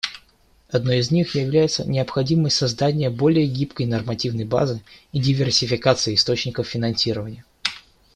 Одной из них является необходимость создания более гибкой нормативной базы и диверсификации источников финансирования.